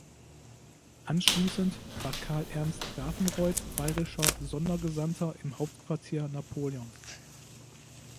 Anschließend war Karl Ernst von Gravenreuth bayerischer Sondergesandter im Hauptquartier Napoleons.